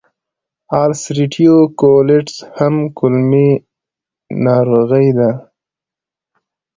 د السرېټیو کولیټس هم کولمې ناروغي ده.